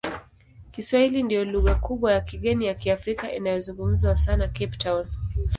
Kiswahili ndiyo lugha kubwa ya kigeni ya Kiafrika inayozungumzwa sana Cape Town.